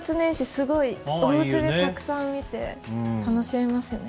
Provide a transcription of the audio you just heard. すごいおうちでたくさん見て楽しめますね。